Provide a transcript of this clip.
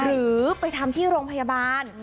หรือไปทำที่โรงพยาบาล